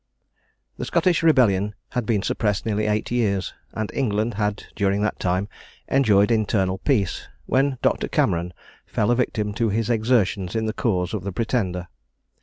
The Scottish rebellion had been suppressed nearly eight years, and England had, during that time, enjoyed internal peace, when Doctor Cameron fell a victim to his exertions in the cause of the Pretender.